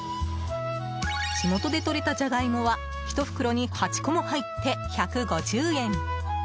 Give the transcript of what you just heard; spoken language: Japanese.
地元でとれたジャガイモは１袋に８個も入って１５０円。